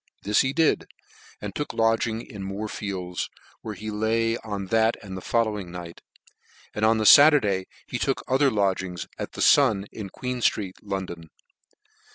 This he did, and took lodgings in Moor fields, where he lay on that and the following night, and on the Saturday he took other lodgings at the Sun in Queen flreet, London.